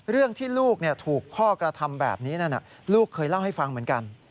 เรื่องที่ลูกถูกพ่อกระทำแบบนี้นั่นลูกเคยเล่าให้ฟังเหมือนกัน